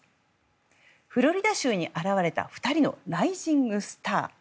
フロリダ州に現れた２人のライジングスター。